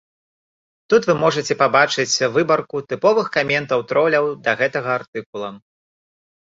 Тут вы можаце пабачыць выбарку тыповых каментаў троляў да гэтага артыкула.